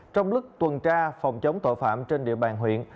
trong lúc tuần tra phòng chống tội phạm trên địa bàn huyện